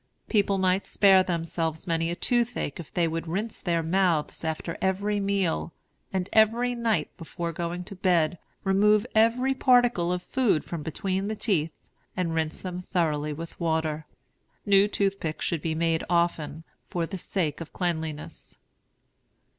People might spare themselves many a toothache if they would rinse their mouths after every meal, and every night, before going to bed, remove every particle of food from between the teeth, and rinse them thoroughly with water. New toothpicks should be made often, for the sake of cleanliness.